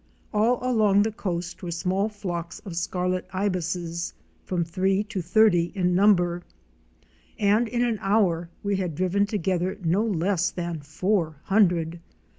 All along the coast were small flocks of Scarlet Ibises," from three to thirty in number, and in an hour we had driven together no less than four hundred.